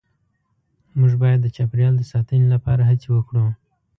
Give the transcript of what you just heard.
مونږ باید د چاپیریال د ساتنې لپاره هڅې وکړو